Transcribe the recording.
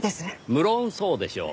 無論そうでしょう。